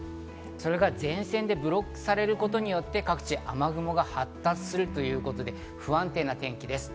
それが前線でブロックされることによって各地雨雲が発達するということで不安定な天気です。